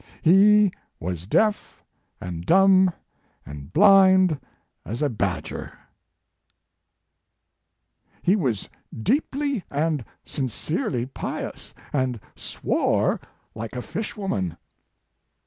He was deaf, and dumb, and blind as a badger." 200 Mark Twain "He was deeply and sincerely pious, and swore like a fish woman."